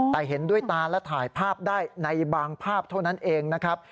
แต่เห็นด้วยตาและถ่ายภาพได้ในบางภาพเท่านั้นเองนะครับ